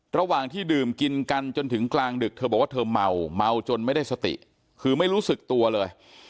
ระหว่างที่ดื่มกินกันจนถึงกลางดึกเธอบอกว่าเธอเมาเมาจนไม่ได้สติคือไม่รู้สึกตัวเลย